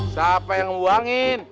siapa yang dibuangin